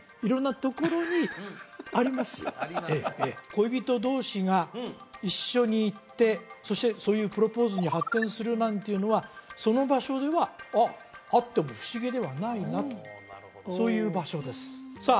恋人同士が一緒に行ってそしてそういうプロポーズに発展するなんていうのはその場所ではあっても不思議ではないなとそういう場所ですさあ